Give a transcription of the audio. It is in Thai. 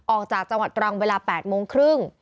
ออกจากจังหวัดตรังเวลา๘โมงครึ่ง